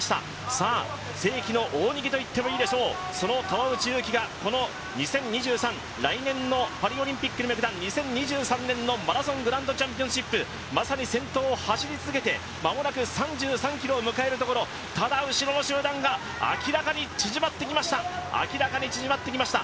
さあ、世紀の大逃げと言ってもいいでしょう、その川内優輝が来年のパリオリンピックに向けた２０２３年のマラソングランドチャンピオンシップ、まさに先頭を走り続けて間もなく３３ｋｍを迎えるところただ後ろの集団が明らかに縮まってきました。